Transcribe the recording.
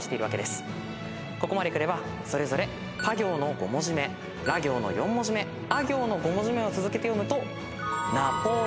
ここまでくればそれぞれパ行の５文字目ラ行の４文字目ア行の５文字目を続けて読むと。